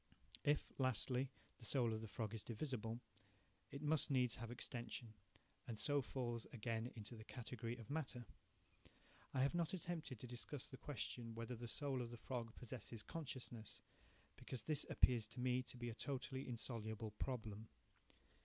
If, lastly, the soul of the frog is divisible, it must needs have extension, and so falls again into the category of matter. I have not attempted to discuss the question whether the soul of the frog possesses consciousness, because this appears to me to be a totally insoluble problem.